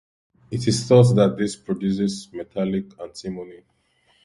It is thought that this produced metallic antimony.